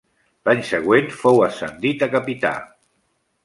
L'any següent fou ascendit a capità.